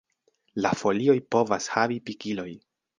La folioj povas havi pikiloj.